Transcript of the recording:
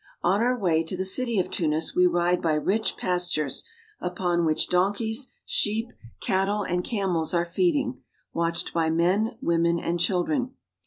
On our way to the city of Tunis we ride by rich pastures, upon which donlceys, sheep, cattle, and camels are feeding, watched by men, women, and children.